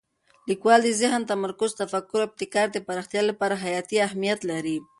لیکوالی د ذهن تمرکز، تفکر او ابتکار د پراختیا لپاره حیاتي اهمیت لري.